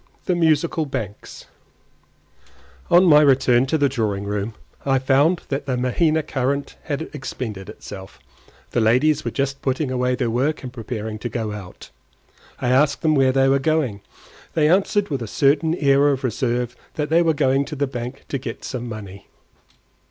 THE MUSICAL BANKS On my return to the drawing room, I found that the Mahaina current had expended itself. The ladies were just putting away their work and preparing to go out. I asked them where they were going. They answered with a certain air of reserve that they were going to the bank to get some money.